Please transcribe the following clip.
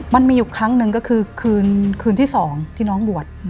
มันมีอีกครั้งหนึ่งก็คือคืนคืนที่สองที่น้องบวชอืม